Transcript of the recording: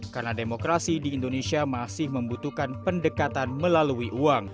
karena demokrasi di indonesia masih membutuhkan pendekatan melalui uang